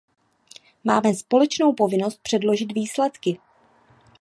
Máme společnou povinnost předložit výsledky.